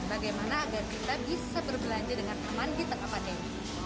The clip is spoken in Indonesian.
bagaimana agar kita bisa berbelanja dengan aman di tengah pandemi